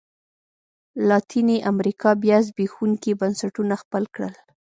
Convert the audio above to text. لاتینې امریکا بیا زبېښونکي بنسټونه خپل کړل.